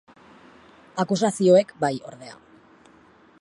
Akusazioek, bai, ordea.